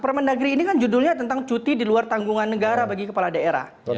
permendagri ini kan judulnya tentang cuti di luar tanggungan negara bagi kepala daerah